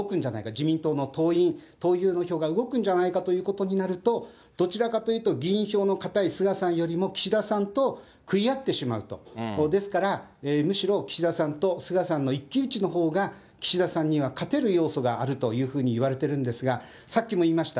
自民党の党員・党友の票が動くんじゃないかということになると、どちらかというと議員票の固い菅さんよりも、岸田さんと食い合ってしまうと、ですから、むしろ岸田さんと菅さんの一騎打ちのほうが、岸田さんには勝てる要素があるというふうにいわれてるんですが、さっきも言いました。